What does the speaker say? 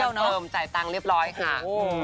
มาแน่นอนก่อนเติมจ่ายตังค์เรียบร้อยค่ะ